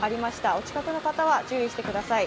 お近くの方は注意してください。